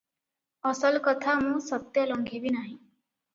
ଅସଲ କଥା ମୁଁ ସତ୍ୟ ଲଙ୍ଘିବି ନାହିଁ ।